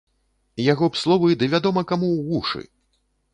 Яго б словы ды вядома каму ў вушы!